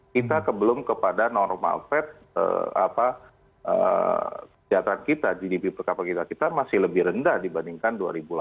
kita kebelum kepada normal fat apa kesejahteraan kita gdp per kakita kita masih lebih rendah dibandingkan dua ribu delapan belas